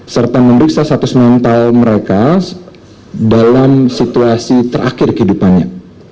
serta memeriksa status mental mereka dalam situasi terakhir kehidupannya